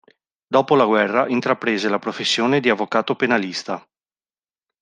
Dopo la guerra intraprese la professione di avvocato penalista.